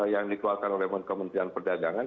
yang dikeluarkan oleh kementerian perdagangan